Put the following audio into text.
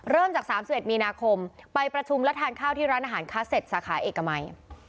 เริ่มจาก๓๑มีนาคมไปประชุมและทานข้าวที่ร้านอาหารคาเซ็ตสาขาเอกมัย